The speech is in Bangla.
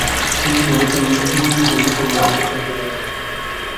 হিন্দুদের মুসলমানদের স্বতন্ত্র জায়গা।